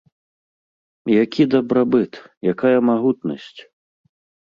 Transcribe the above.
Які дабрабыт, якая магутнасць?!